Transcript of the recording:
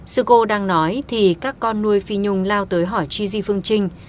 sư cô đang nói thì các con nuôi phi nhung lao tới hỏi gigi phương trinh